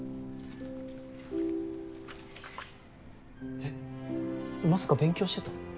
えまさか勉強してた？